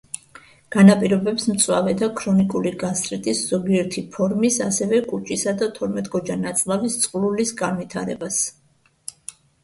განაპირობებს მწვავე და ქრონიკული გასტრიტის ზოგიერთი ფორმის, ასევე კუჭისა და თორმეტგოჯა ნაწლავის წყლულის განვითარებას.